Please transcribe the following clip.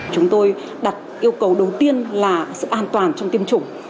chúng tôi đặt yêu cầu đầu tiên là sự an toàn trong tiêm chủng